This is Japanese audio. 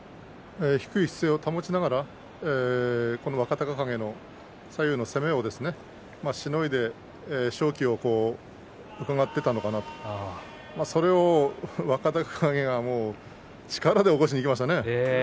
低い姿勢を保ちながら若隆景の最後の攻めをしのいで勝機をうかがっていたのかなとそれを若隆景が力で起こしにいきましたね。